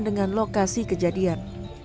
dengan lokasi kejadian